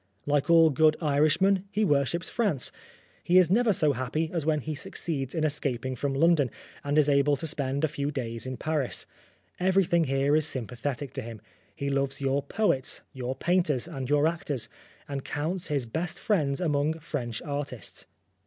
Like all good Irishmen, he worships France. He is never so happy as when he succeeds in escaping from London, and is able to spend a few days in Paris. Everything here is sympathetic to him. He loves your poets, your painters, and your actors, and counts his best friends among French artists.